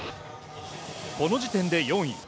この時点で４位。